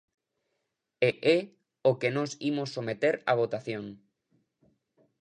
E é o que nós imos someter a votación.